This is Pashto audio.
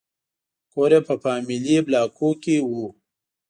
کور یې په فامیلي بلاکونو کې و.